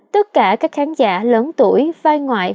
tất cả các khán giả lớn tuổi vai ngoại